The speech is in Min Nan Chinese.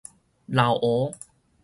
漏壺